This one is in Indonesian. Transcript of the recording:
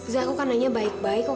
za aku kan hanya baik baik kok